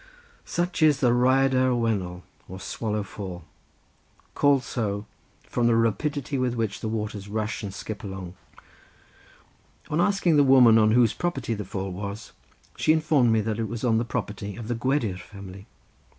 Such is the Rhaiadr y Wennol, or Swallow Fall; called so from the rapidity with which the waters rush and skip along. On asking the woman on whose property the fall was, she informed me that it was on the property of the Gwedir family.